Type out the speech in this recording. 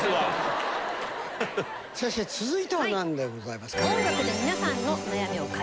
先生続いては何でございますか？